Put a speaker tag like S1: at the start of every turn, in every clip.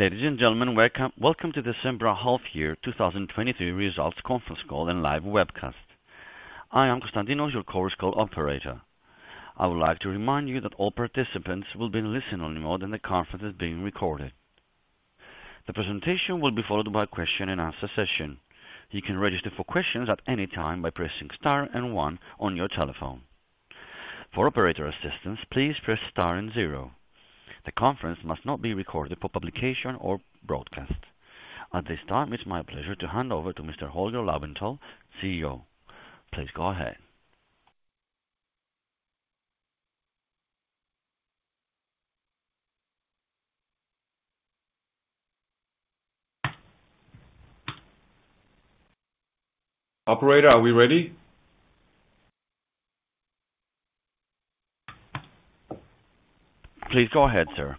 S1: Ladies and gentlemen, welcome to the Cembra Half-Year 2023 Results conference call and live webcast. I am Constantinos, your conference call operator. I would like to remind you that all participants will be in listen-only mode and the conference is being recorded. The presentation will be followed by a question and answer session. You can register for questions at any time by pressing star and one on your telephone. For operator assistance, please press star and zero. The conference must not be recorded for publication or broadcast. At this time, it's my pleasure to hand over to Mr. Holger Laubenthal, CEO. Please go ahead.
S2: Operator, are we ready?
S1: Please go ahead, sir.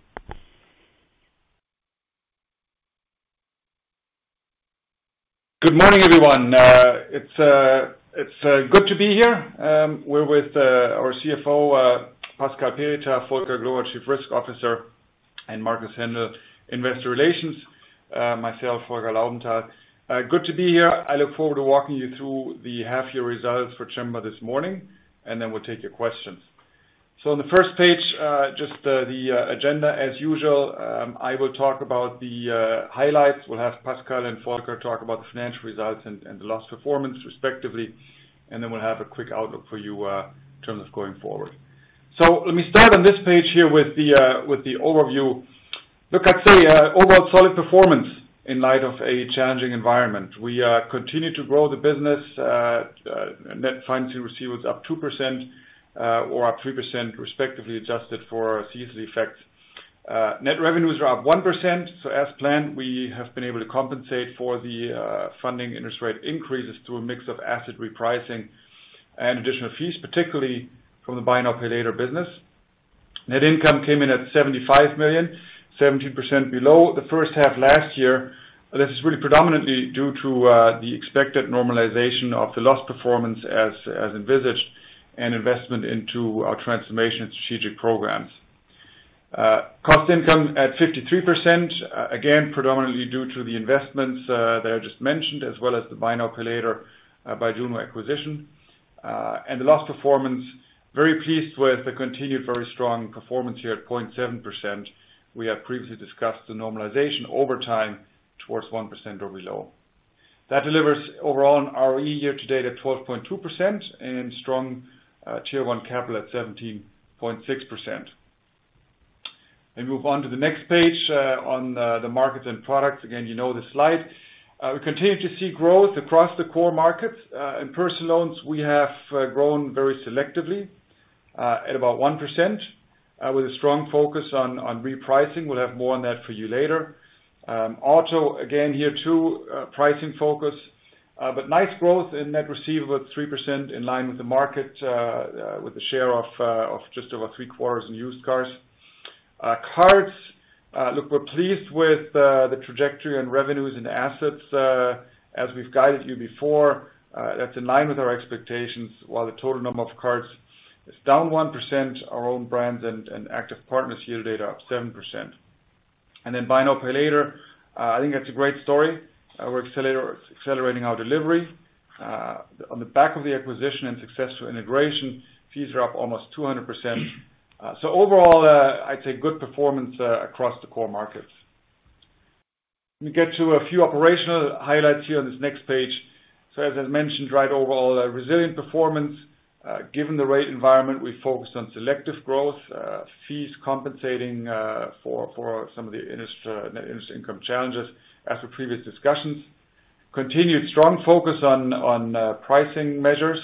S2: Good morning, everyone. It's good to be here. We're with our CFO, Pascal Perritaz, Volker Gloe, Chief Risk Officer, and Marcus Händel, Investor Relations, myself, Holger Laubenthal. Good to be here. I look forward to walking you through the half-year results for Cembra this morning. Then we'll take your questions. On the first page, just the agenda as usual, I will talk about the highlights. We'll have Pascal and Volker talk about the financial results and the loss performance, respectively. Then we'll have a quick outlook for you in terms of going forward. Let me start on this page here with the overview. Look, I'd say, overall solid performance in light of a challenging environment. We continue to grow the business. Net funds we received was up 2% or up 3%, respectively, adjusted for season effects. Net revenues were up 1%. As planned, we have been able to compensate for the funding interest rate increases through a mix of asset repricing and additional fees, particularly from the buy now, pay later business. Net income came in at 75 million, 17% below the first half last year. This is really predominantly due to the expected normalization of the loss performance as envisaged and investment into our transformation and strategic programs. Cost income at 53%, again, predominantly due to the investments that I just mentioned, as well as the buy now, pay later, by Byjuno acquisition. The loss performance, very pleased with the continued very strong performance here at 0.7%. We have previously discussed the normalization over time towards 1% or below. That delivers overall on ROE year-to-date at 12.2% and strong Tier 1 capital at 17.6%. Move on to the next page on the markets and products. Again, you know the slide. We continue to see growth across the core markets. In personal loans, we have grown very selectively at about 1%, with a strong focus on repricing. We'll have more on that for you later. Auto, again, here, too, pricing focus, but nice growth in net receivable at 3% in line with the market with a share of just over 3/4 in used cars. Cards, look, we're pleased with the trajectory and revenues and assets, as we've guided you before, that's in line with our expectations while the total number of cards is down 1%, our own brands and active partners year-to-date are up 7%. Buy now, pay later, I think that's a great story. We're accelerating our delivery on the back of the acquisition and successful integration, fees are up almost 200%. Overall, I'd say good performance across the core markets. Let me get to a few operational highlights here on this next page. As I mentioned, right, overall, a resilient performance. Given the rate environment, we focused on selective growth, fees compensating for some of the interest, net interest income challenges as with previous discussions. Continued strong focus on pricing measures,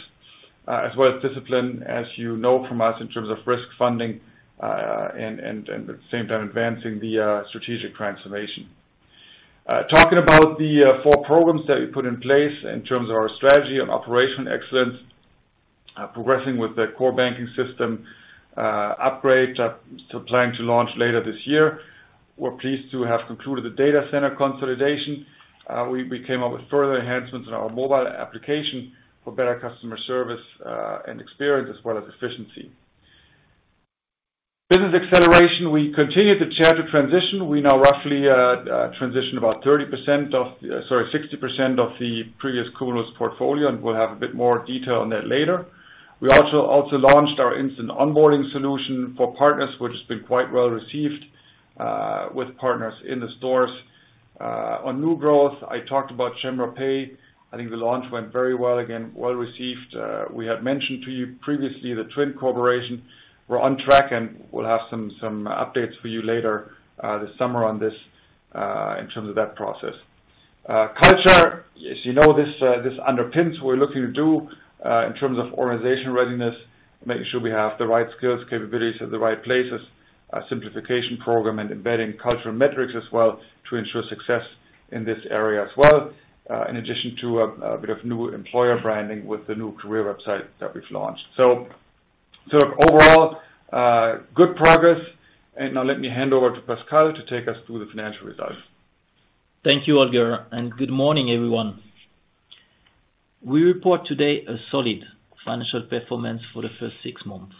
S2: as well as discipline, as you know from us, in terms of risk funding, and at the same time, advancing the strategic transformation. Talking about the four programs that we put in place in terms of our strategy and Operational Excellence, progressing with the core banking system upgrade, so planning to launch later this year. We're pleased to have concluded the data center consolidation. We came up with further enhancements in our mobile application for better customer service and experience as well as efficiency. Business acceleration, we continue to chart a transition. We now roughly transition about 60% of the previous Cumulus portfolio, and we'll have a bit more detail on that later. We also launched our instant onboarding solution for partners, which has been quite well received, with partners in the stores. On new growth, I talked about Cembra Pay. I think the launch went very well, again, well received. We had mentioned to you previously, the TWINT corporation. We're on track and we'll have some updates for you later this summer on this in terms of that process. Culture, as you know, this underpins what we're looking to do in terms of organizational readiness making sure we have the right skills, capabilities in the right places, a simplification program, and embedding cultural metrics as well to ensure success in this area as well, in addition to a bit of new employer branding with the new career website that we've launched. Overall, good progress. Now let me hand over to Pascal to take us through the financial results.
S3: Thank you, Holger, and good morning, everyone. We report today a solid financial performance for the first six months.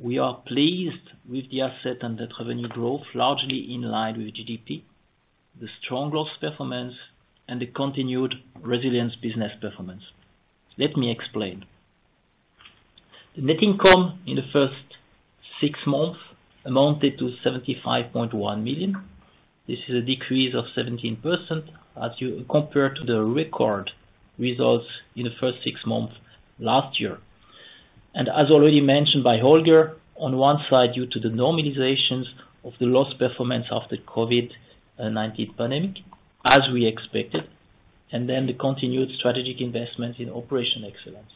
S3: We are pleased with the asset and the revenue growth largely in line with GDP, the strong growth performance, and the continued resilience business performance. Let me explain. The net income in the first six months amounted to 75.1 million. This is a decrease of 17% as you compare to the record results in the first six months last year. As already mentioned by Holger, on one side, due to the normalizations of the loss performance of the COVID-19 pandemic, as we expected, and then the continued strategic investment in Operational Excellence.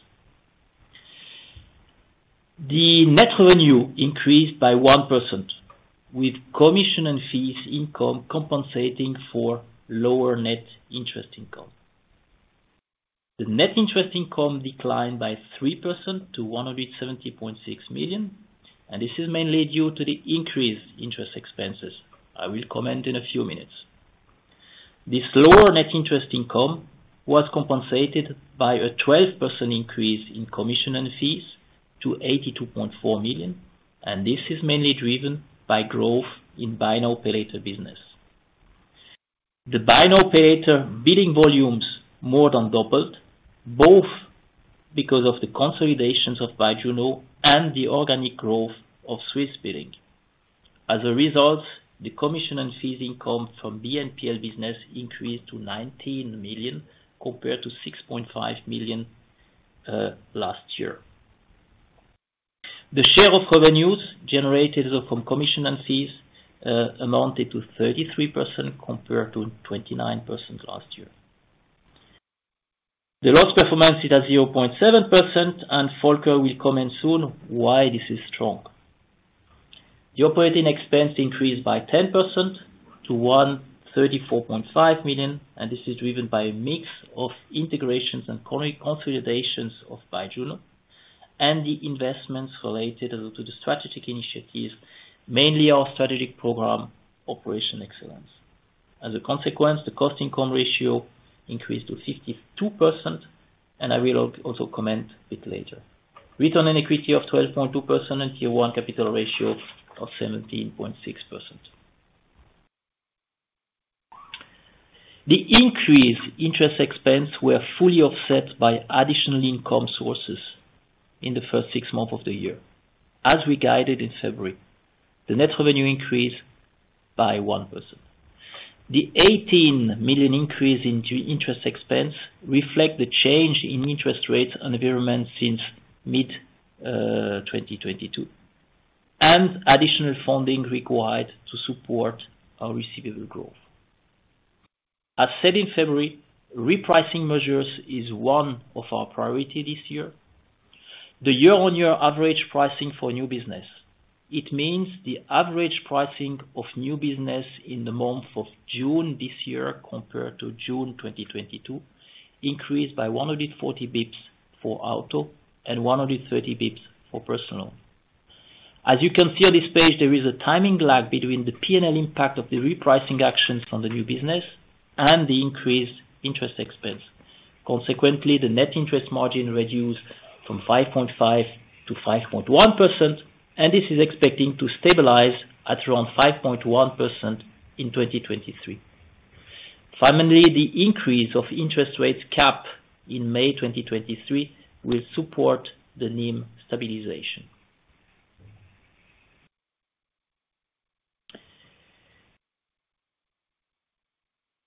S3: The net revenue increased by 1%, with commission and fees income compensating for lower net interest income. The net interest income declined by 3% to 170.6 million. This is mainly due to the increased interest expenses. I will comment in a few minutes. This lower net interest income was compensated by a 12% increase in commission and fees to 82.4 million. This is mainly driven by growth in buy now, pay later business. The buy now, pay later billing volumes more than doubled, both because of the consolidations of Byjuno and the organic growth of Swissbilling. As a result, the commission and fees income from BNPL business increased to 19 million compared to 6.5 million last year. The share of revenues generated from commission and fees amounted to 33%, compared to 29% last year. The loss performance is at 0.7%. Volker will comment soon why this is strong. OpEx increased by 10% to 134.5 million. This is driven by a mix of integrations and consolidations of Byjuno, and the investments related to the strategic initiatives, mainly our strategic program, Operational Excellence. As a consequence, the cost income ratio increased to 52%. I will also comment bit later. Return on equity of 12.2% and Tier 1 capital ratio of 17.6%. The increased interest expense were fully offset by additional income sources in the first six months of the year. As we guided in February, the net revenue increased by 1%. The 18 million increase into interest expense reflect the change in interest rates and environment since mid-2022, and additional funding required to support our receivable growth. As said in February, repricing measures is one of our priority this year. The year-over-year average pricing for new business, it means the average pricing of new business in the month of June this year, compared to June 2022, increased by 140 basis points for auto and 130 basis points for personal. As you can see on this page, there is a timing lag between the PNL impact of the repricing actions from the new business and the increased interest expense. Consequently, the net interest margin reduced from 5.5% to 5.1%, and this is expecting to stabilize at around 5.1% in 2023. Finally, the increase of interest rates cap in May 2023 will support the NIM stabilization.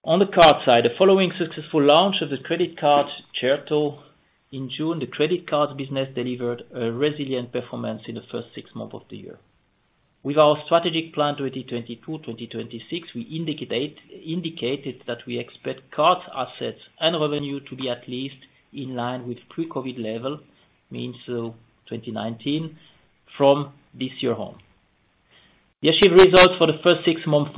S3: On the card side, the following successful launch of the credit card, Certo, in June, the credit card business delivered a resilient performance in the first six months of the year. With our strategic plan 2022-2026, we indicated that we expect card assets and revenue to be at least in line with pre-COVID level, means, 2019, from this year on. The achieved results for the first six months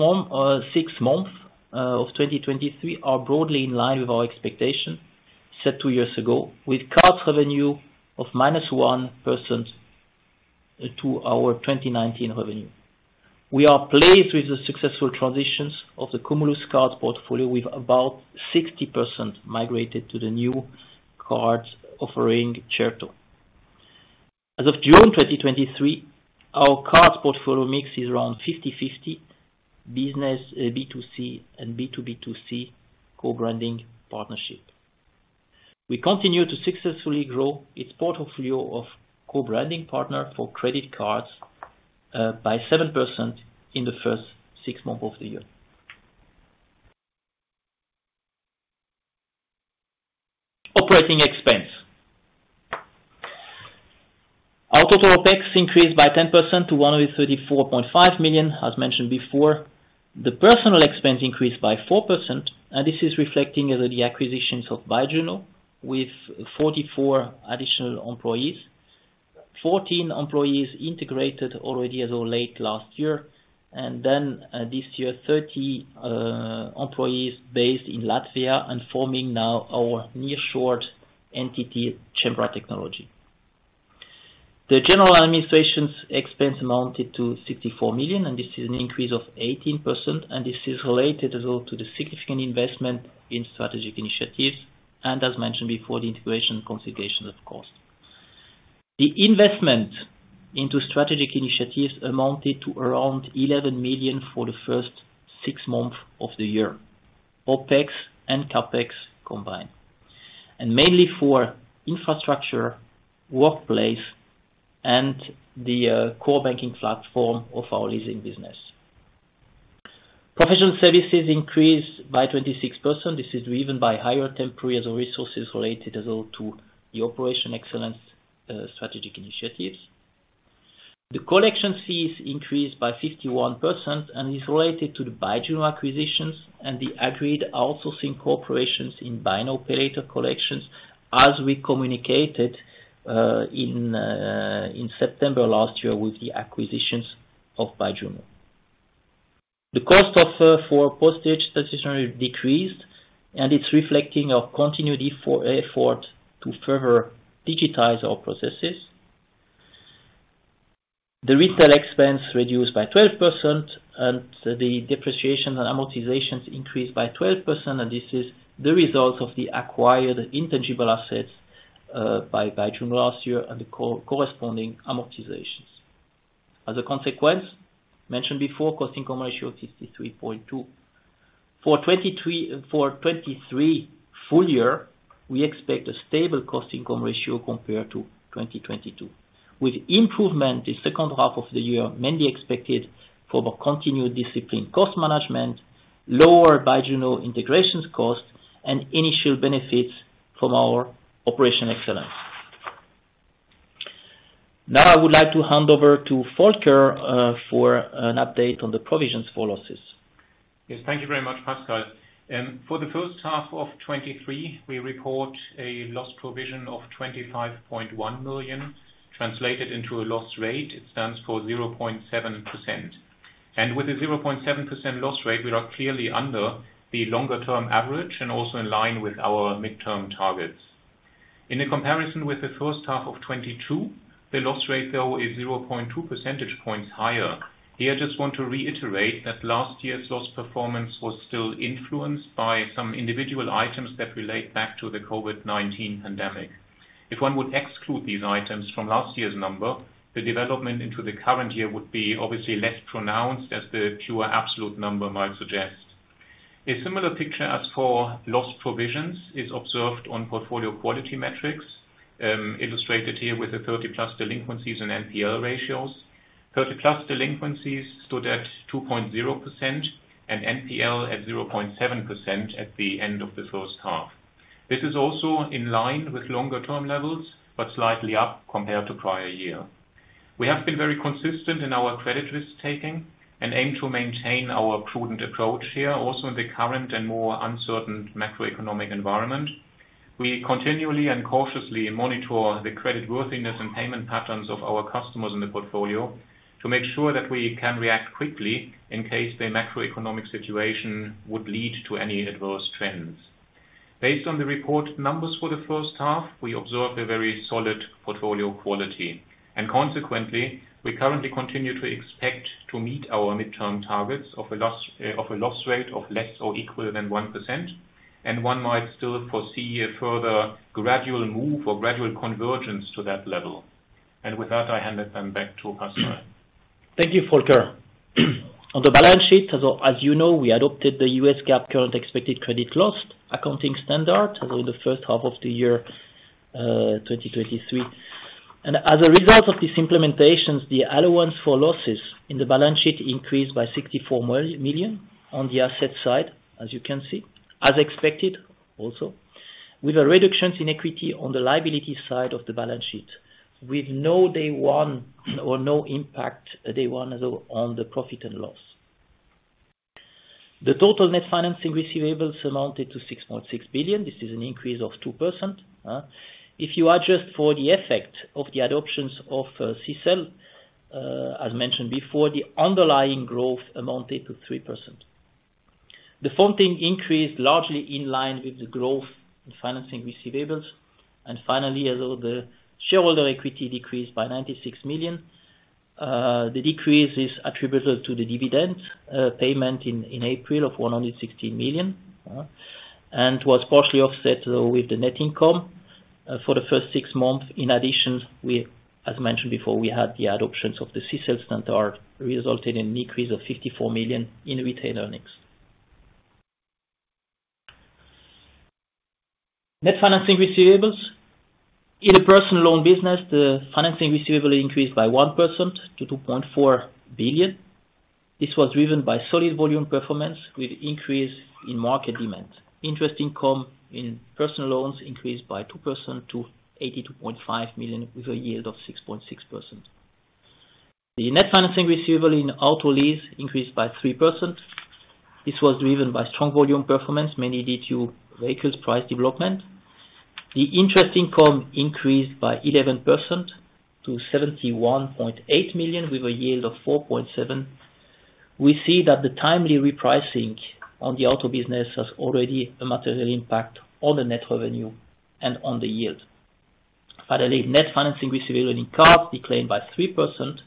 S3: of 2023 are broadly in line with our expectations, set two years ago, with card revenue of -1% to our 2019 revenue. We are pleased with the successful transitions of the Cumulus card portfolio with about 60% migrated to the new card offering, Certo. As of June 2023, our card portfolio mix is around 50/50, business, B2C and B2B2C co-branding partnership. We continue to successfully grow its portfolio of co-branding partner for credit cards by 7% in the first six months of the year. Operating expense, our total OpEx increased by 10% to 134.5 million, as mentioned before. The personal expense increased by 4%, this is reflecting over the acquisitions of Byjuno, with 44 additional employees. Fourteen employees integrated already as of late last year, then this year, 30 employees based in Latvia and forming now our nearshoring entity, Cembra Technology. The general administration's expense amounted to 64 million, this is an increase of 18%, and this is related as well to the significant investment in strategic initiatives, and as mentioned before the integration consolidation of costs. The investment into strategic initiatives amounted to around 11 million for the first six months of the year, OpEx and CapEx combined, and mainly for infrastructure, workplace, and the core banking platform of our leasing business. Professional services increased by 26%. This is driven by higher temporary resources related as well to the Operational Excellence strategic initiatives. The collection fees increased by 51% and is related to the Byjuno acquisitions and the agreed outsourcing corporations in buying operator collections, as we communicated in September last year with the acquisitions of Byjuno. The cost for postage stationery decreased. It's reflecting our continuity for effort to further digitize our processes. The retail expense reduced by 12%, the depreciation and amortizations increased by 12%, and this is the result of the acquired intangible assets by Byjuno last year and the corresponding amortizations. As a consequence, mentioned before, cost income ratio of 63.2%. For our 2023 full-year, we expect a stable cost income ratio compared to 2022, with improvement in second half of the year, mainly expected from a continued disciplined cost management, lower Byjuno integrations costs, and initial benefits from our Operational Excellence. I would like to hand over to Volker for an update on the provisions for losses.
S4: Yes, thank you very much, Pascal. For the first half of 2023, we report a loss provision of 25.1 million translated into a loss rate, it stands for 0.7%. With a 0.7% loss rate, we are clearly under the longer term average and also in line with our midterm targets. In a comparison with the first half of 2022, the loss rate, though, is 0.2 percentage points higher. Here, I just want to reiterate that last year's loss performance was still influenced by some individual items that relate back to the COVID-19 pandemic. If one would exclude these items from last year's number, the development into the current year would be obviously less pronounced as the pure absolute number might suggest. A similar picture as for loss provisions is observed on portfolio quality metrics, illustrated here with the 30+ delinquencies and NPL ratios. 30+ delinquencies stood at 2.0% and NPL at 0.7% at the end of the first half. This is also in line with longer term levels, but slightly up compared to prior year. We have been very consistent in our credit risk taking and aim to maintain our prudent approach here, also in the current and more uncertain macroeconomic environment. We continually and cautiously monitor the creditworthiness and payment patterns of our customers in the portfolio, to make sure that we can react quickly in case the macroeconomic situation would lead to any adverse trends. Based on the report numbers for the first half, we observed a very solid portfolio quality, and consequently, we currently continue to expect to meet our midterm targets of a loss rate of less or equal than 1%, and one might still foresee a further gradual move or gradual convergence to that level. With that, I hand it then back to Pascal.
S3: Thank you, Volker. On the balance sheet, as you know, we adopted the U.S. GAAP current expected credit loss accounting standard over the first half of the year, 2023. As a result of these implementations, the allowance for losses in the balance sheet increased by 64 million on the asset side, as you can see, as expected, also, with a reduction in equity on the liability side of the balance sheet, with no day one or no impact, day one, as well, on the profit and loss. The total net financing receivables amounted to 6.6 billion. This is an increase of 2%, if you adjust for the effect of the adoptions of CECL, as mentioned before, the underlying growth amounted to 3%. The funding increased largely in line with the growth in financing receivables. And finally, although the shareholder equity decreased by 96 million, the decrease is attributable to the dividend payment in April of 116 million and was partially offset with the net income for the first six months, in addition, as mentioned before, we had the adoptions of the CECL standard, which resulted in an increase of 54 million in retail earnings. Net financing receivables, in the personal loan business, the financing receivable increased by 1% to 2.4 billion. This was driven by solid volume performance with increase in market demand. Interest income in personal loans increased by 2% to 82.5 million, with a yield of 6.6%. The net financing receivable in auto lease increased by 3%. This was driven by strong volume performance, mainly due to vehicles price development. The interest income increased by 11% to 71.8 million, with a yield of 4.7%. We see that the timely repricing on the auto business has already a material impact on the net revenue and on the yield. Finally, net financing received in card declined by 3%.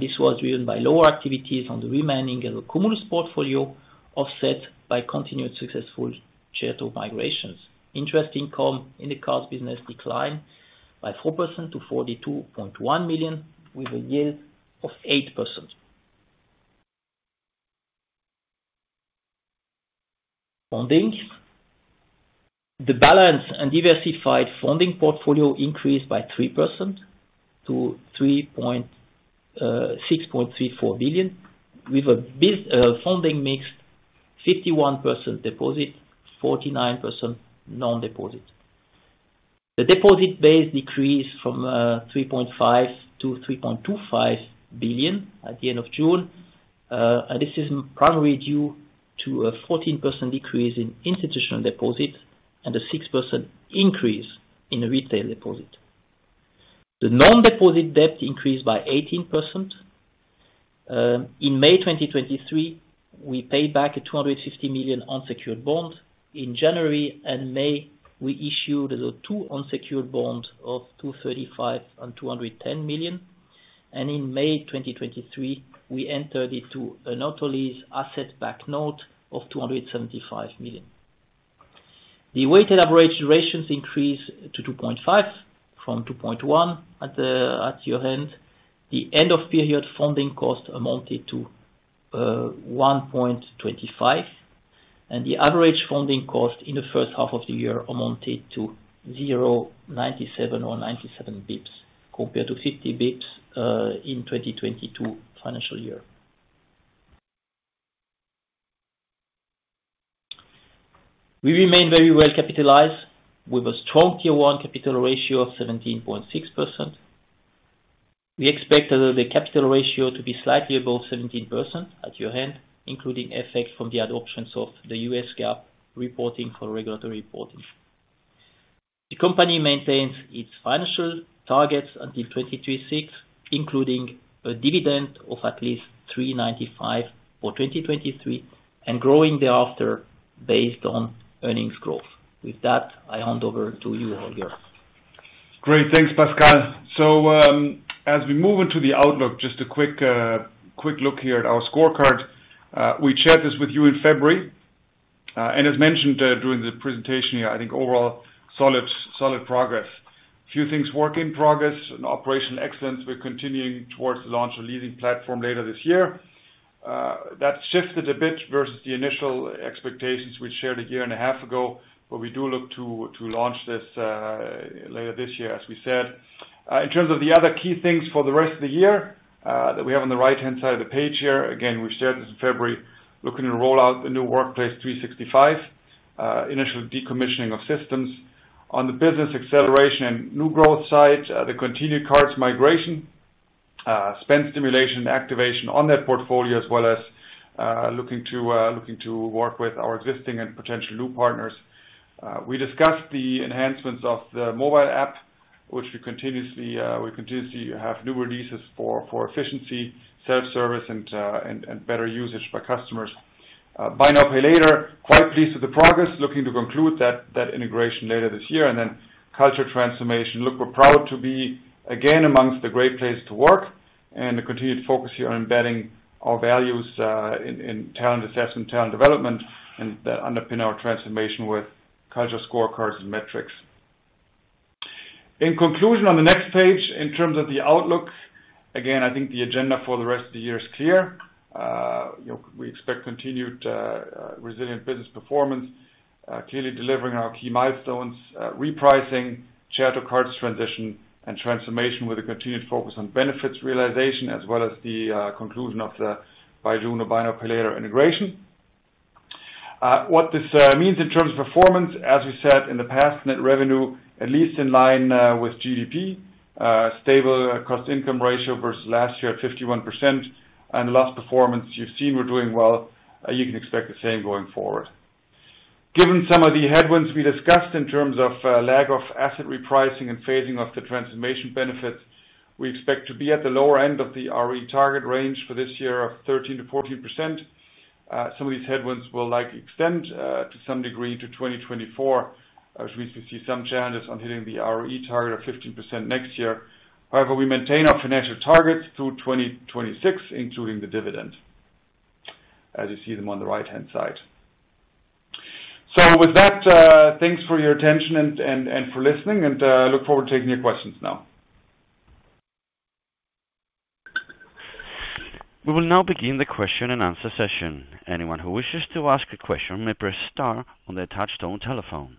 S3: This was driven by lower activities on the remaining Cumulus portfolio, offset by continued successful Certo migrations. Interest income in the cards business declined by 4% to 42.1 million, with a yield of 8%. Funding, the balance and diversified funding portfolio increased by 3% to 6.34 billion, with a biz funding mix, 51% deposit, 49% non-deposit. The deposit base decreased from 3.5 billion to 3.25 billion at the end of June. This is primarily due to a 14% decrease in institutional deposits and a 6% increase in retail deposits. The non-deposit debt increased by 18%. In May 2023, we paid back a 250 million unsecured bond. In January and May, we issued the two unsecured bonds of 235 million and 210 million, and in May 2023, we entered into a not only asset-backed note of 275 million. The weighted average durations increased to 2.5 from 2.1 at year-end. The end-of-period funding cost amounted to 1.25, and the average funding cost in the first half of the year amounted to 0.97 or 97 basis points, compared to 50 basis points in 2022 financial year. We remain very well capitalized with a strong Tier 1 capital ratio of 17.6%. We expect the capital ratio to be slightly above 17% at year-end, including effects from the adoptions of the U.S. GAAP reporting for regulatory reporting. The company maintains its financial targets until 2026, including a dividend of at least 3.95 for 2023, and growing thereafter based on earnings growth. With that, I hand over to you, Holger.
S2: Great. Thanks, Pascal. As we move into the outlook, just a quick look here at our scorecard. We shared this with you in February. As mentioned during the presentation, I think overall, solid progress. A few things work in progress and Operational Excellence, we're continuing towards the launch of lending platform later this year. That shifted a bit versus the initial expectations we shared a year and a half ago where we do look to launch this later this year, as we said. In terms of the other key things for the rest of the year that we have on the right-hand side of the page here, again, we've shared this in February, looking to roll out the new Microsoft 365, initial decommissioning of systems. On the business acceleration and new growth side, the continued cards migration, spend stimulation, activation on that portfolio, as well as, looking to work with our existing and potential new partners. We discussed the enhancements of the mobile app, which we continuously have new releases for efficiency, self-service, and better usage by customers. Buy now, pay later, quite pleased with the progress, looking to conclude that integration later this year, and then culture transformation. Look, we're proud to be, again, amongst the great place to work and the continued focus here on embedding our values in talent assessment, talent development, and that underpin our transformation with culture scorecards and metrics. In conclusion, on the next page, in terms of the outlook, again, I think the agenda for the rest of the year is clear. You know, we expect continued resilient business performance, clearly delivering our key milestones, repricing, share to cards transition, and transformation with a continued focus on benefits realization, as well as the conclusion of the Byjuno buy now, pay later integration. What this means in terms of performance, as we said in the past, net revenue, at least in line with GDP, stable cost income ratio versus last year at 51%, and last performance, you've seen we're doing well, you can expect the same going forward. Given some of the headwinds we discussed in terms of lag of asset repricing and phasing of the transformation benefits, we expect to be at the lower end of the ROE target range for this year of 13% to 14%. Some of these headwinds will likely extend to some degree to 2024, as we see some challenges on hitting the ROE target of 15% next year. However, we maintain our financial targets through 2026, including the dividend, as you see them on the right-hand side. With that, thanks for your attention and for listening and I look forward to taking your questions now.
S1: We will now begin the question and answer session. Anyone who wishes to ask a question may press star on their touch stone telephone.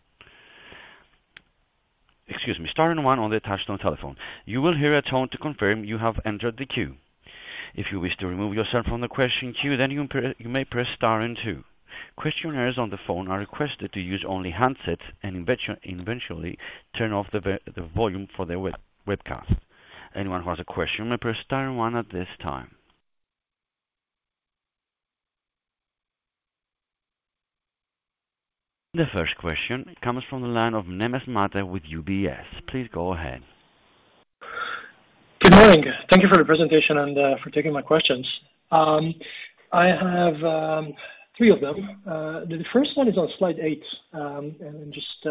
S1: Excuse me, star and one on the touch stone telephone. You will hear a tone to confirm you have entered the queue. If you wish to remove yourself from the question queue, then you may press star and two. Questioners on the phone are requested to use only handsets and eventually, turn off the volume for their web, webcast. Anyone who has a question may press star and one at this time. The first question comes from the line of Nemeth, Michael with UBS. Please go ahead.
S5: Good morning. Thank you for the presentation, for taking my questions. I have three of them. The first one is on slide eight. I just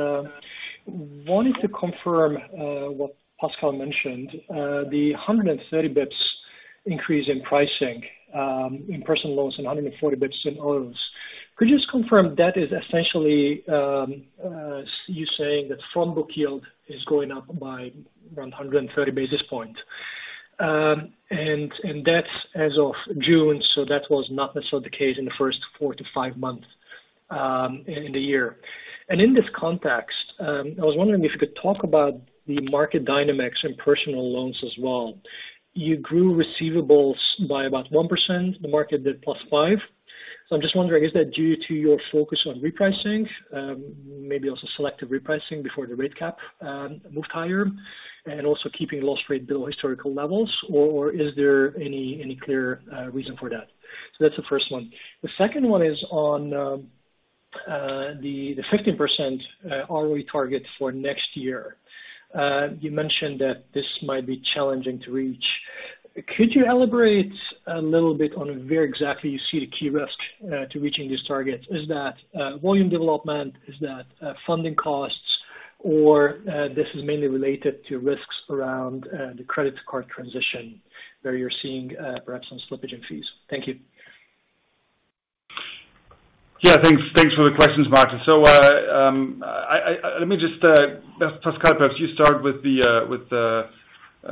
S5: wanted to confirm what Pascal mentioned, the 130 basis points increase in pricing in personal loans and 140 basis points in others. Could you just confirm that is essentially you saying that front book yield is going up by 130 basis points? That's as of June, so that was not necessarily the case in the first four to five months in the year. In this context, I was wondering if you could talk about the market dynamics in personal loans as well. You grew receivables by about 1%, the market did +5%. I'm just wondering, is that due to your focus on repricing? maybe also selective repricing before the rate cap moved higher, and also keeping loss rate below historical levels, or is there any clear reason for that? That's the first one. The second one is on the 15% ROE target for next year. You mentioned that this might be challenging to reach. Could you elaborate a little bit on where exactly you see the key risk to reaching these targets? Is that volume development, is that funding costs, or this is mainly related to risks around the credit card transition where you're seeing perhaps some slippage in fees? Thank you.
S2: Yeah, Thanks. Thanks for the questions, Michael. Let me just let Pascal, perhaps you start with the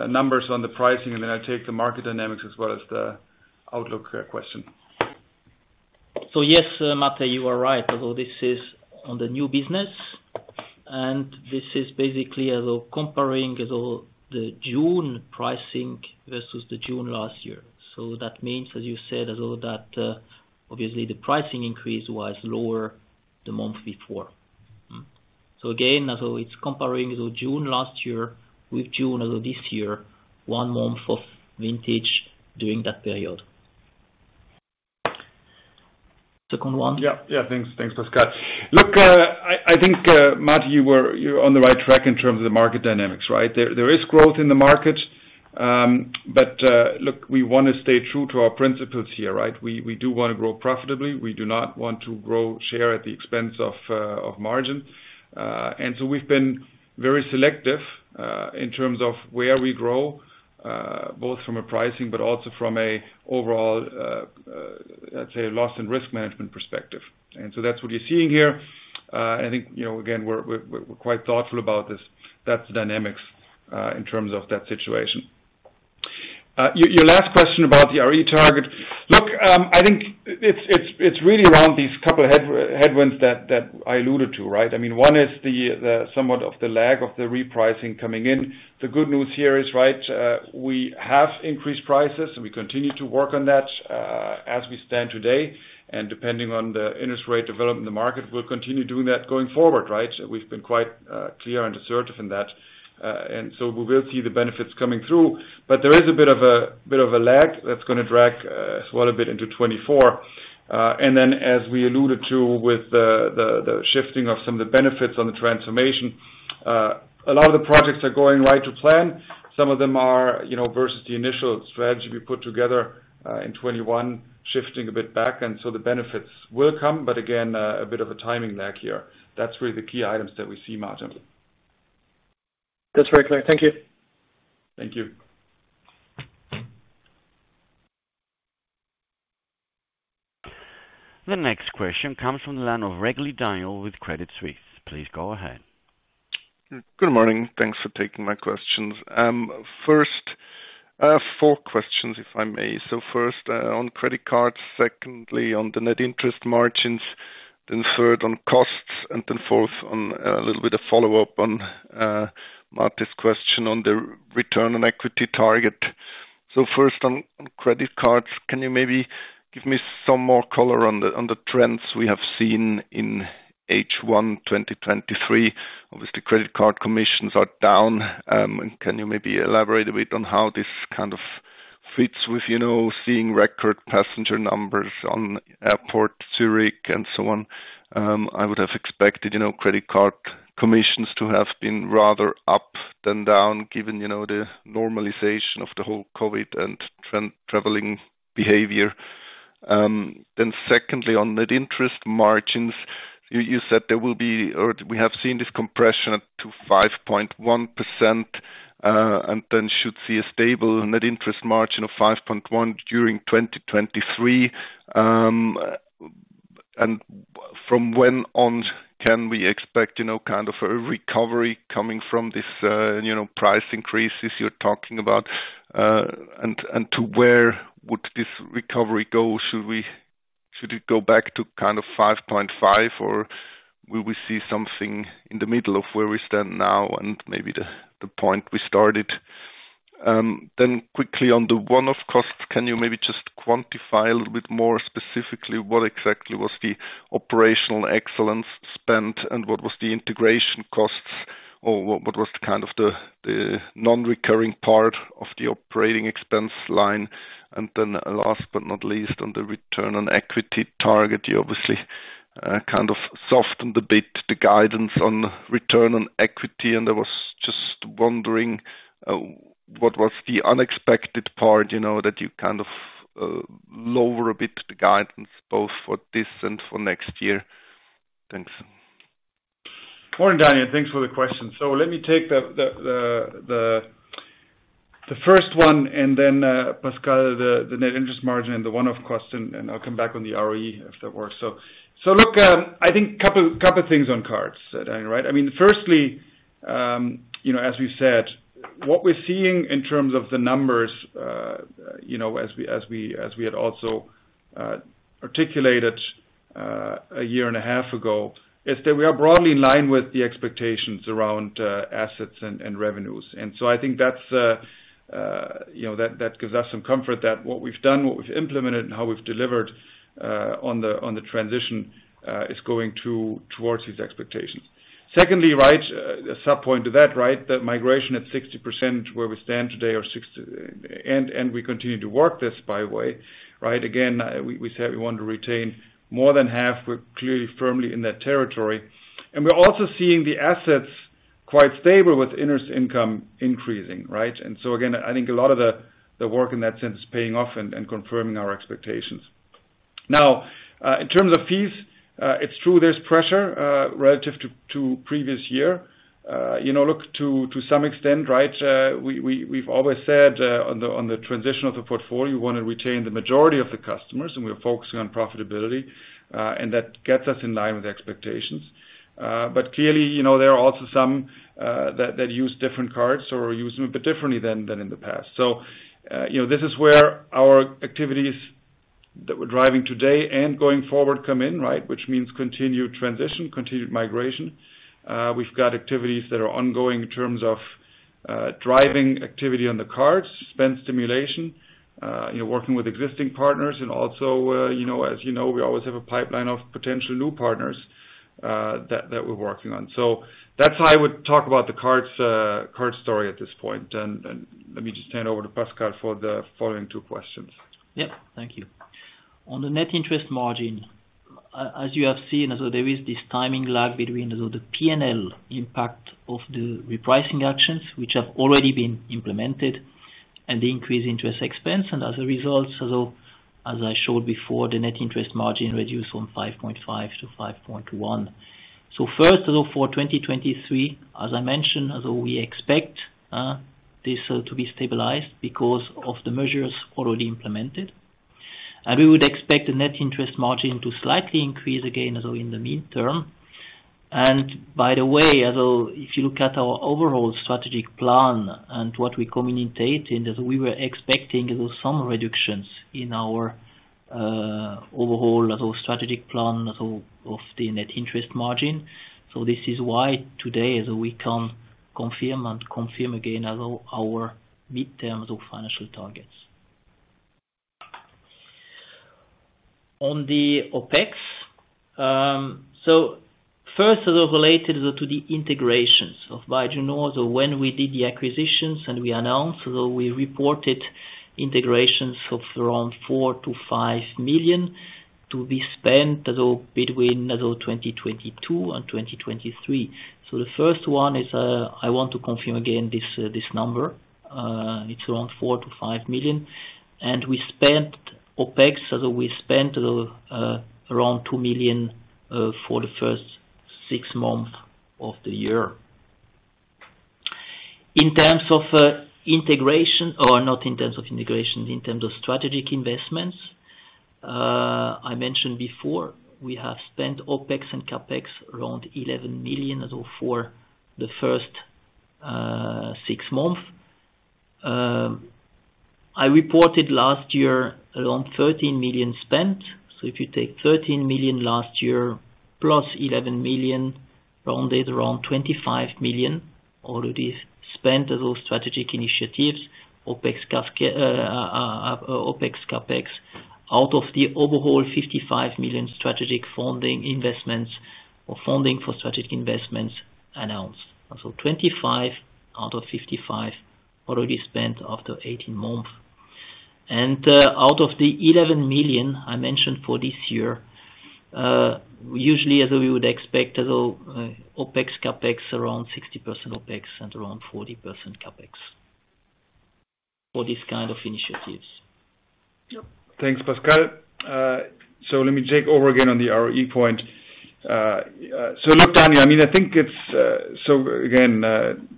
S2: numbers on the pricing, and then I take the market dynamics as well as the outlook question.
S3: Yes, Michael, you are right. Although this is on the new business, and this is basically comparing all the June pricing versus the June last year. That means, as you said, all that, obviously the pricing increase was lower the month before. Again, it's comparing the June last year with June of this year, one month of vintage during that period. Second one?
S2: Yeah, yeah, thanks. Thanks, Pascal. Look, I think, Michael, you're on the right track in terms of the market dynamics, right? There is growth in the market but look, we want to stay true to our principles here, right? We, we do want to grow profitably. We do not want to grow share at the expense of margin. We've been very selective in terms of where we grow, both from a pricing, but also from a overall, let's say, loss and risk management perspective. That's what you're seeing here. I think, you know, again, we're quite thoughtful about this. That's the dynamics in terms of that situation. Your last question about the ROE target. Look, I think it's really around these couple of headwinds that I alluded to, right? I mean, one is the somewhat of the lag of the repricing coming in. The good news here is, right, we have increased prices, and we continue to work on that, as we stand today, and depending on the interest rate development in the market, we'll continue doing that going forward, right? We've been quite clear and assertive on that. We will see the benefits coming through. There is a bit of a lag that's going to drag as well, a bit into 2024. As we alluded to with the shifting of some of the benefits on the transformation, a lot of the projects are going right to plan. Some of them are, you know, versus the initial strategy we put together in 2021, shifting a bit back. The benefits will come, but again, a bit of a timing lag here. That's really the key items that we see, Michael.
S5: That's very clear. Thank you.
S2: Thank you.
S1: The next question comes from the line of Regli, Daniel with Credit Suisse. Please go ahead.
S6: Good morning. Thanks for taking my questions. First, I have four questions, if I may. First, on credit cards, secondly on the net interest margins, then third on costs, and then fourth on a little bit of follow-up on Michael's question on the return on equity target. First on credit cards, can you maybe give me some more color on the trends we have seen in H1 2023? Obviously, credit card commissions are down. Can you maybe elaborate a bit on how this kind of fits with, you know, seeing record passenger numbers on airport Zurich and so on? I would have expected, you know, credit card commissions to have been rather up than down, given, you know, the normalization of the whole COVID and traveling behavior. Secondly, on net interest margins, you said there will be, or we have seen this compression up to 5.1%, and then should see a stable net interest margin of 5.1% during 2023. From when on can we expect, you know, kind of a recovery coming from this, you know, price increases you're talking about? To where would this recovery go? Should it go back to kind of 5.5%, or will we see something in the middle of where we stand now and maybe the point we started? Quickly on the one-off costs, can you maybe just quantify a little bit more specifically, what exactly was the Operational Excellence spent and what was the integration costs? What was the kind of the non-recurring part of the operating expense line? Then last but not least, on the return on equity target, you obviously kind of softened a bit the guidance on return on equity, and I was just wondering what was the unexpected part, you know, that you kind of lower a bit the guidance, both for this and for next year? Thanks.
S2: Good morning, Daniel. Thanks for the question. Let me take the first one, and then Pascal, the net interest margin and the one-off costs, and then I'll come back on the ROE, if that works. Look, I think couple things on cards, Daniel, right? I mean, firstly, you know, as we said, what we're seeing in terms of the numbers, you know, as we had also articulated a year and a half ago, is that we are broadly in line with the expectations around assets and revenues. I think that's, you know, that gives us some comfort that what we've done, what we've implemented and how we've delivered on the transition is towards these expectations. Secondly, right, the subpoint to that, right? That migration at 60% where we stand today and we continue to work this by way, right? Again, we said we want to retain more than half. We're clearly firmly in that territory. We're also seeing the assets quite stable with interest income increasing, right? Again, I think a lot of the work in that sense is paying off and confirming our expectations. In terms of fees, it's true, there's pressure relative to previous year. You know, look to some extent, right, we've always said on the transition of the portfolio, we want to retain the majority of the customers, and we're focusing on profitability, and that gets us in line with expectations. Clearly, you know, there are also some that use different cards or use them a bit differently than in the past. You know, this is where our activities that we're driving today and going forward come in, right? Which means continued transition, continued migration. We've got activities that are ongoing in terms of driving activity on the cards, spend stimulation, you know, working with existing partners and also, you know, as you know, we always have a pipeline of potential new partners that we're working on. That's how I would talk about the card story at this point. Let me just hand over to Pascal for the following two questions.
S3: Yep. Thank you. On the net interest margin, as you have seen, there is this timing lag between the PNL impact of the repricing actions, which have already been implemented, and the increased interest expense. As a result, as I showed before, the net interest margin reduced from 5.5% to 5.1%. First, though, for 2023, as I mentioned, as we expect this to be stabilized because of the measures already implemented. We would expect the net interest margin to slightly increase again, though, in the midterm. By the way, although if you look at our overall strategic plan and what we communicate, and as we were expecting some reductions in our overall strategic plan of the net interest margin. This is why today, as we can confirm again as our midterm financial targets. On the OpEx, as related to the integrations of Byjuno, when we did the acquisitions and we announced, so we reported integrations of around 4 million to 5 million to be spent between 2022 and 2023. The first one is, I want to confirm again, this number. It's around 4 million to 5 million, and we spent OpEx around 2 million for the first six months of the year. In terms of integration, not integration, in terms of strategic investments, I mentioned before, we have spent OpEx and CapEx around 11 million for the first six months. I reported last year around 13 million spent. If you take 13 million last year plus 11 million rounded around 25 million already spent on those strategic initiatives, OpEx, CapEx, out of the overall 55 million strategic funding investments or funding for strategic investments announced so 25 out of 55 already spent after 18 months. Out of the 11 million I mentioned for this year, usually, as we would expect, although, OpEx, CapEx, around 60% OpEx and around 40% CapEx for these kind of initiatives.
S2: Thanks, Pascal. So let me take over again on the ROE point. So look, Daniel, I mean. So again,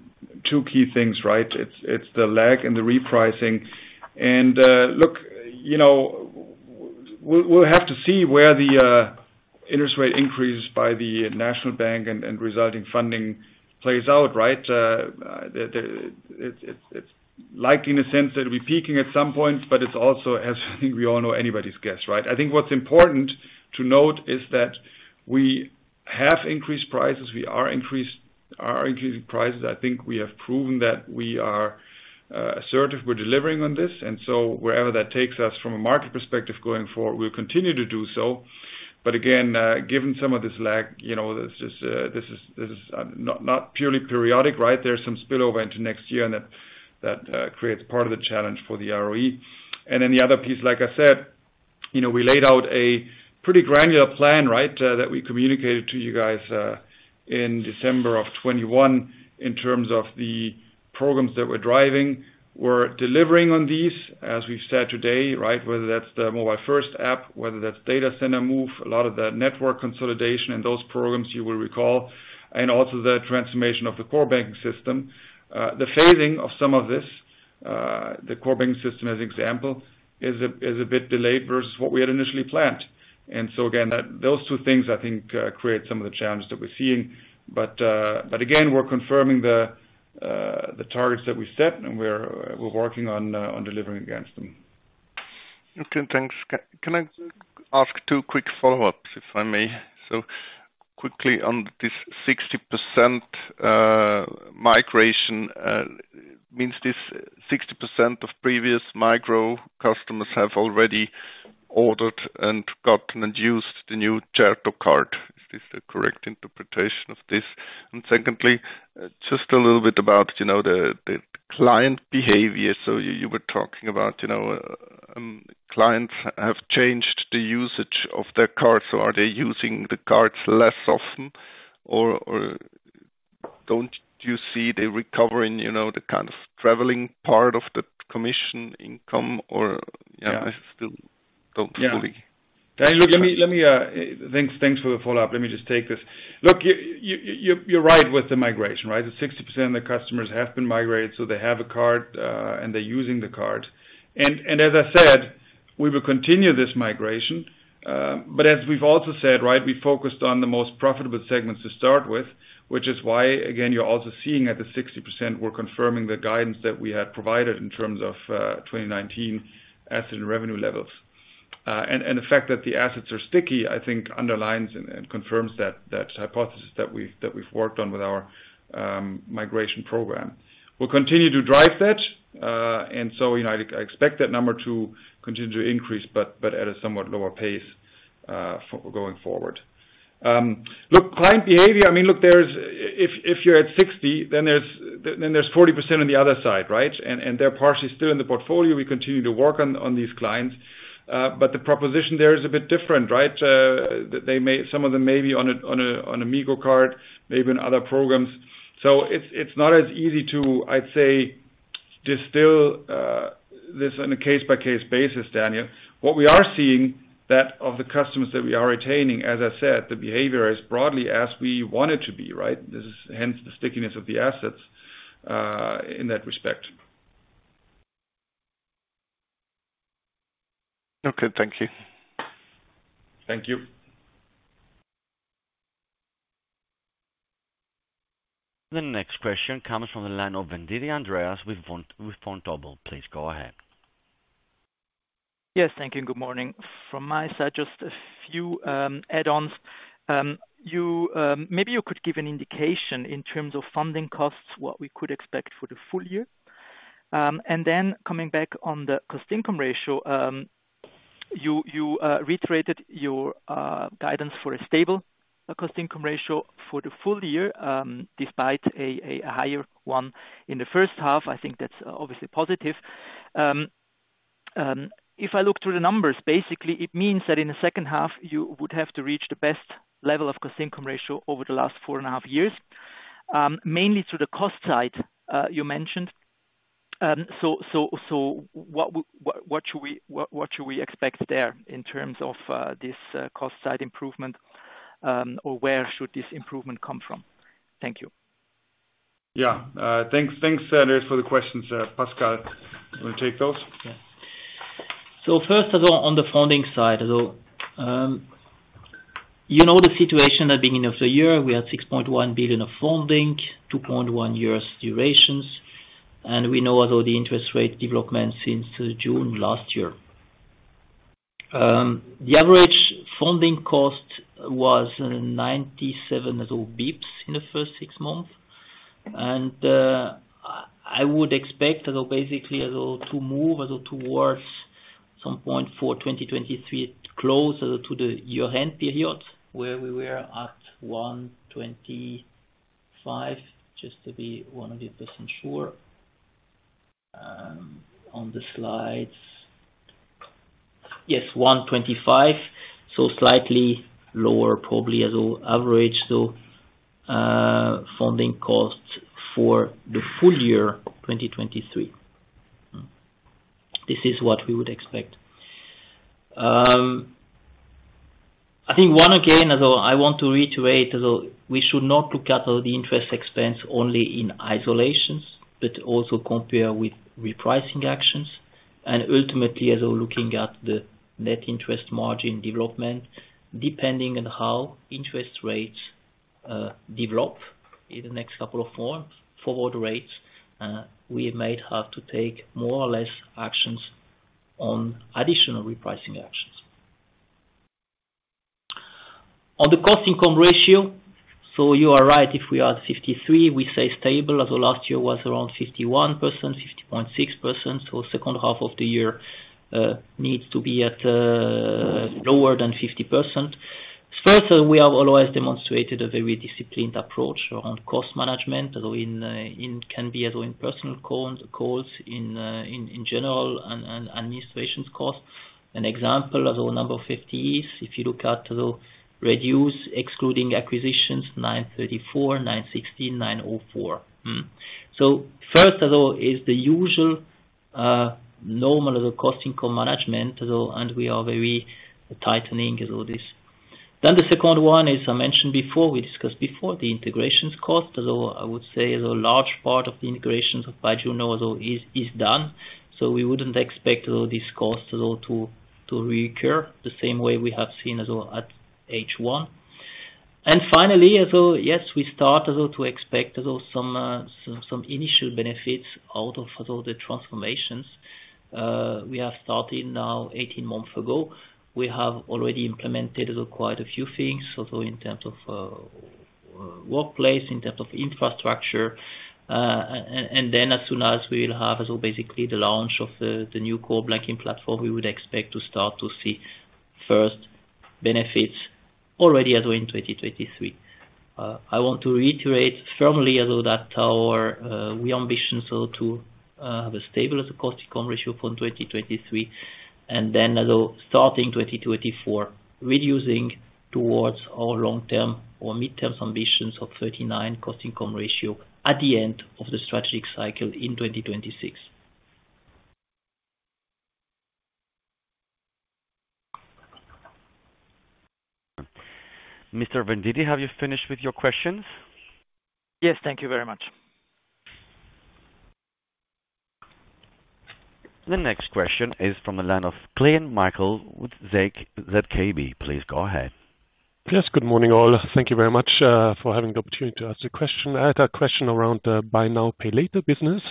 S2: two key things, right? It's the lag and the repricing. Look, you know, we'll have to see where the interest rate increase by the national bank and resulting funding plays out, right? It's likely in a sense that it'll be peaking at some point, but it's also, as I think we all know, anybody's guess, right? I think what's important to note is that we have increased prices. We are increasing prices. I think we have proven that we are assertive, we're delivering on this, and so wherever that takes us from a market perspective going forward, we'll continue to do so. Again, given some of this lag, you know, this is not purely periodic, right? There's some spillover into next year, and that creates part of the challenge for the ROE. Then the other piece, like I said, you know, we laid out a pretty granular plan, right? That we communicated to you guys in December of 2021, in terms of the programs that we're driving. We're delivering on these, as we've said today, right? Whether that's the mobile first app, whether that's data center move, a lot of the network consolidation and those programs you will recall, and also the transformation of the core banking system. The phasing of some of this, the core banking system as an example, is a bit delayed versus what we had initially planned. Again, those two things, I think, create some of the challenges that we're seeing. Again, we're confirming the targets that we set, and we're working on delivering against them.
S6: Okay, thanks. Can I ask two quick follow-ups, if I may? Quickly on this 60% migration means this 60% of previous Migros customers have already ordered and gotten and used the new card. Is this the correct interpretation of this? Secondly, just a little bit about, you know, the client behavior. You were talking about, you know, clients have changed the usage of their cards. Are they using the cards less often, or don't you see they recovering, you know, the kind of traveling part of the commission income or they dont fully.
S2: Yeah. Thanks for the follow-up. Let me just take this. Look, you're right with the migration, right? The 60% of the customers have been migrated, so they have a card, and they're using the card. As I said, we will continue this migration, but as we've also said, right, we focused on the most profitable segments to start with. Which is why, again, you're also seeing at the 60%, we're confirming the guidance that we had provided in terms of 2019 asset and revenue levels. The fact that the assets are sticky, I think underlines and confirms that hypothesis that we've worked on with our migration program. We'll continue to drive that, you know, I expect that number to continue to increase, but at a somewhat lower pace going forward. Look, client behavior, I mean, look, if you're at 60, then there's 40% on the other side, right? They're partially still in the portfolio. We continue to work on these clients, but the proposition there is a bit different, right? Some of them may be on a Migros card, maybe on other programs. It's not as easy to, I'd say, this is on a case-by-case basis, Daniel. What we are seeing, that of the customers that we are retaining, as I said, the behavior is broadly as we want it to be, right? This is, hence, the stickiness of the assets, in that respect.
S6: Okay, thank you.
S2: Thank you.
S1: The next question comes from the line of Andreas Venditti with Vontobel. Please go ahead.
S7: Yes, thank you, good morning. From my side, just a few add-ons. Maybe you could give an indication in terms of funding costs, what we could expect for the full-year. Coming back on the cost income ratio, you reiterated your guidance for a stable cost income ratio for the full-year despite a higher one in the first half. I think that's obviously positive. If I look through the numbers, basically, it means that in the second half, you would have to reach the best level of cost income ratio over the last 4.5 years, mainly through the cost side you mentioned. What should we expect there in terms of this cost side improvement? Where should this improvement come from? Thank you.
S2: Yeah. Thanks for the questions. Pascal, you want to take those?
S3: First of all, on the funding side, you know, the situation at the beginning of the year, we had 6.1 billion of funding, 2.1 years durations, and we know although the interest rate development since June last year. The average funding cost was 97 basis points in the first six months. I would expect, although basically at all, to move towards some point for 2023, closer to the year-end period, where we were at 125, just to be 100% sure on the slides. Yes, 125. Slightly lower, probably as well, average funding costs for the full-year, 2023. This is what we would expect. I think one, again, although I want to reiterate, although we should not look at all the interest expense only in isolations, but also compare with repricing actions, and ultimately, as we're looking at the net interest margin development, depending on how interest rates develop in the next couple of months, forward rates, we might have to take more or less actions on additional repricing actions. On the cost income ratio, you are right, if we are at 53%, we stay stable, as of last year was around 51%, 50.6%, second half of the year needs to be at lower than 50%. First, we have always demonstrated a very disciplined approach around cost management although it can be as in personal calls in general and administration costs. An example as well, number 50% is, if you look at the reduce excluding acquisitions, 934, 916, 904. First of all, is the usual normal costing cost management, so, and we are very tightening as all this. The second one, as I mentioned before, we discussed before, the integration cost, although I would say the large part of the integrations of Byjuno, although is done. We wouldn't expect all these costs though to reoccur the same way we have seen as well at H1. Finally, so yes, we start also to expect also some initial benefits out of all the transformations. We have started now 18 months ago. We have already implemented quite a few things so in terms of workplace, in terms of infrastructure, and then as soon as we will have also basically the launch of the new core banking platform, we would expect to start to see first benefits already as in 2023. I want to reiterate firmly as well, we ambition so to have a stable as a cost income ratio for 2023, and then as well, starting 2024, reducing towards our long term or mid-term ambitions of 39 cost income ratio at the end of the strategic cycle in 2026.
S1: Mr. Venditti, have you finished with your questions?
S7: Yes. Thank you very much.
S1: The next question is from the line of Kunz, Michael with ZKB. Please go ahead.
S8: Yes, good morning, all. Thank you very much for having the opportunity to ask a question. I had a question around the buy now, pay later business.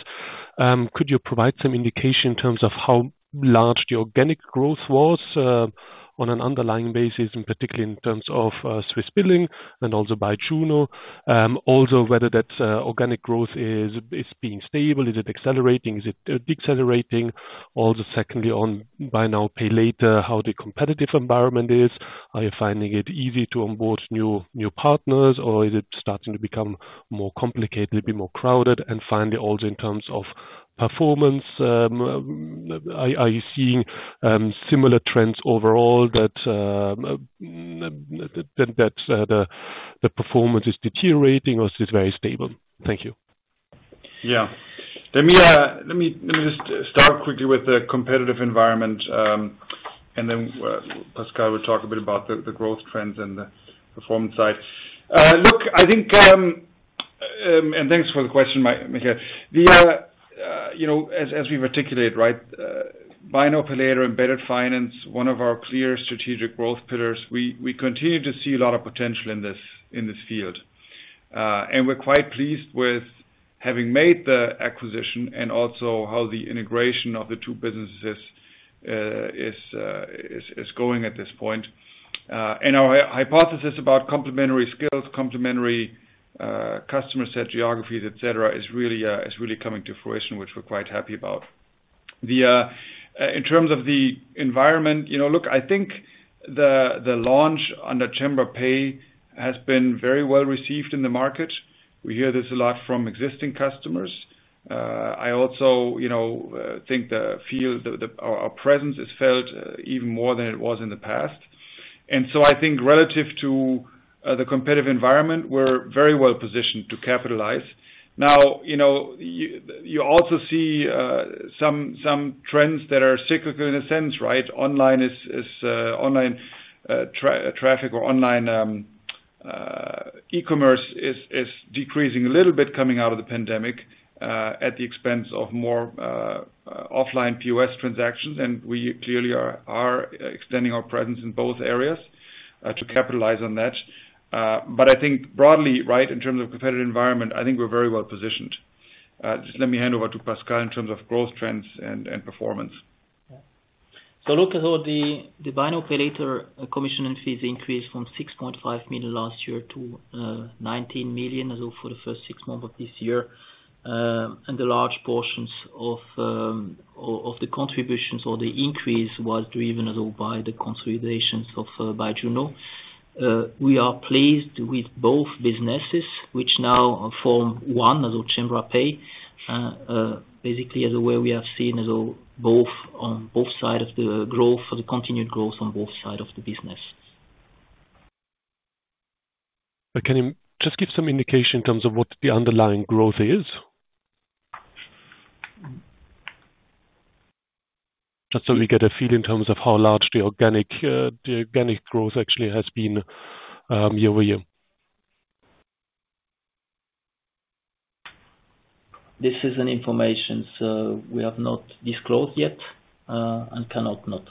S8: Could you provide some indication in terms of how large the organic growth was on an underlying basis, and particularly in terms of Swissbilling and also Byjuno? Also whether that organic growth is being stable, is it accelerating, is it decelerating? Secondly, on buy now, pay later, how the competitive environment is. Are you finding it easy to onboard new partners or is it starting to become more complicated, a bit more crowded? Finally, also in terms of performance, are you seeing similar trends overall that the performance is deteriorating or is it very stable? Thank you.
S2: Yeah. Let me just start quickly with the competitive environment and then Pascal will talk a bit about the growth trends and the performance side. Look, I think, and thanks for the question, Michael. You know, as we articulated, right, Buy now, pay later, and better finance, one of our clear strategic growth pillars, we continue to see a lot of potential in this field. And we're quite pleased with having made the acquisition, and also how the integration of the two businesses is going at this point. And our hypothesis about complementary skills, complementary customer set geographies, et cetera, is really coming to fruition, which we're quite happy about. In terms of the environment, you know, look, I think the launch on the Cembra Pay has been very well received in the market. We hear this a lot from existing customers. I also, you know, think the field, our presence is felt even more than it was in the past. I think relative to the competitive environment, we're very well positioned to capitalize. Now, you know, you also see some trends that are cyclical in a sense, right? Online traffic or online e-commerce is decreasing a little bit coming out of the pandemic at the expense of more offline POS transactions, and we clearly are extending our presence in both areas to capitalize on that. I think broadly, right, in terms of competitive environment, I think we're very well positioned. Just let me hand over to Pascal in terms of growth trends and performance.
S3: Look at all the buy now, pay later commission and fees increased from 6.5 million last year to 19 million, as for the first six months of this year. The large portions of the contributions or the increase was driven as well by the consolidations of Byjuno. We are pleased with both businesses, which now form one as Cembra Pay. Basically, the way we have seen as all both on both sides of the continued growth on both sides of the business.
S8: Can you just give some indication in terms of what the underlying growth is? Just so we get a feel in terms of how large the organic growth actually has been year-over-year.
S3: This is an information so we have not disclosed yet and cannot not.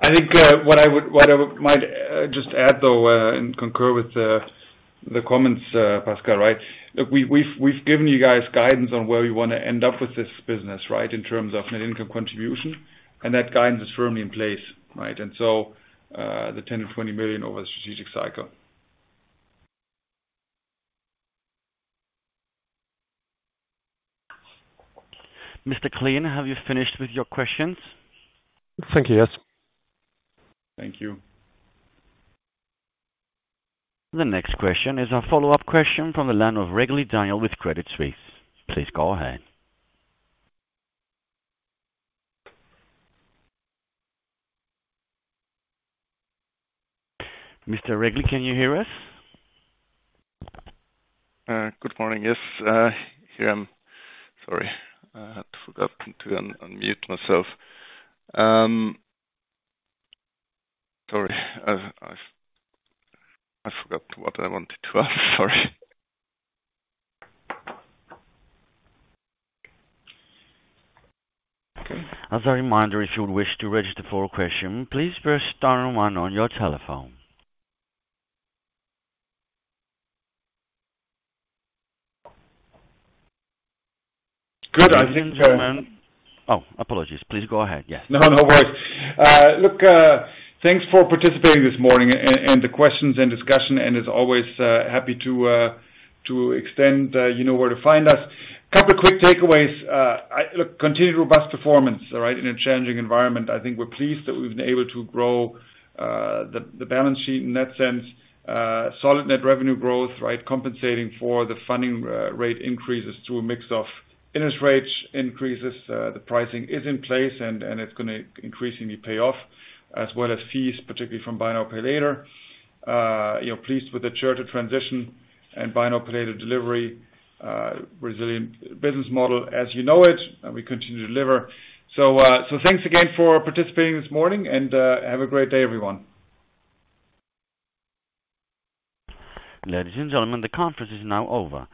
S2: I think what I might just add, though, and concur with the comments, Pascal, right. Look, we've given you guys guidance on where we want to end up with this business, right. In terms of net income contribution, that guidance is firmly in place, right. The 10 million-20 million over the strategic cycle.
S1: Mr. Kunz, have you finished with your questions?
S8: Thank you. Yes.
S2: Thank you.
S1: The next question is a follow-up question from the line of Daniel Regli with Credit Suisse. Please go ahead. Mr. Regli, can you hear us?
S6: Good morning. Yes, here I am. Sorry, I forgot to unmute myself. Sorry, I forgot what I wanted to ask. Sorry.
S1: Okay. As a reminder, if you would wish to register for a question, please press star one on your telephone.
S2: Good, I think,
S1: Oh, apologies. Please go ahead. Yes.
S2: No, no worries. Look, thanks for participating this morning and the questions and discussion and as always, happy to extend, you know where to find us. A couple of quick takeaways. Look, continued robust performance, all right? In a challenging environment. I think we're pleased that we've been able to grow the balance sheet in that sense. Solid net revenue growth, right? Compensating for the funding rate increases through a mix of interest rates increases. The pricing is in place and it's going to increasingly pay off, as well as fees, particularly from buy now, pay later. We're pleased with the turn and transition and Buy Now, Pay Later delivery, resilient business model as you know it, and we continue to deliver. So thanks again for participating this morning, and, have a great day, everyone.
S1: Ladies and gentlemen, the conference is now over.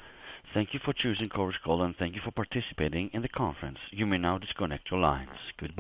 S1: Thank you for choosing Chorus Call, and thank you for participating in the conference. You may now disconnect your lines. Good bye.